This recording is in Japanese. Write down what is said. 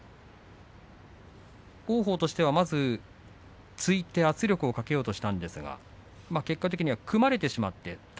王鵬としては突いて圧力をかけようとしたんですが結果的には組まれてしまいました。